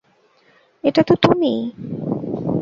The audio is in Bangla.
এটা তো তুমিই।